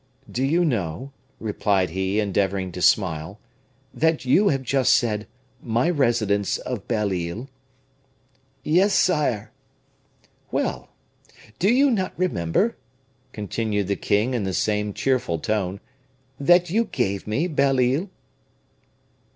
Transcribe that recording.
"Do you know," replied he, endeavoring to smile, "that you have just said, 'My residence of Belle Isle'?" "Yes, sire." "Well! do you not remember," continued the king in the same cheerful tone, "that you gave me Belle Isle?"